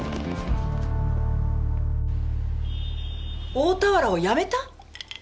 大田原を辞めた？